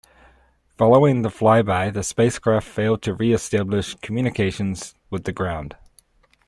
Following the flyby the spacecraft failed to reestablish communications with the ground.